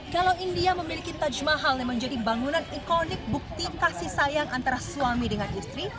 kalau india memiliki taj mahal yang menjadi bangunan ikonik bukti kasih sayang antara suami dengan istri